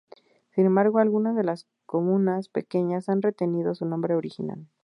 Sin embargo, algunas de las comunas pequeñas han retenido su nombre original.